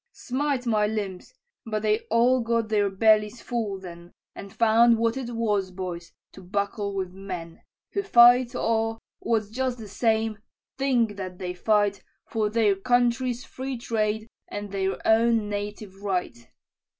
"Smite my limbs! but they all got their bellies full then, And found what it was, boys, to buckle with men, Who fight, or, what's just the same, think that they fight For their country's free trade and their own native right.